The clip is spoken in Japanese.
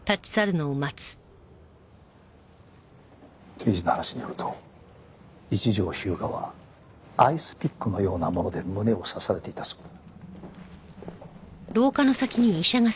刑事の話によると一条彪牙はアイスピックのようなもので胸を刺されていたそうだ。